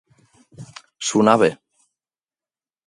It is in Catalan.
Sonar bé.